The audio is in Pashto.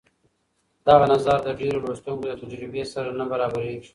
دغه نظر د ډېرو لوستونکو له تجربې سره نه برابرېږي.